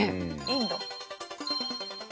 いいんだ。